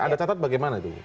ada catat bagaimana itu